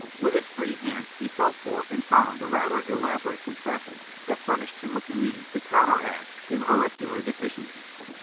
With his free hand he felt for and found the rather elaborate contraption that furnished him with the means to counteract his auricular deficiencies.